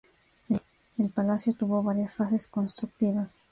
El Palacio tuvo varias fases constructivas.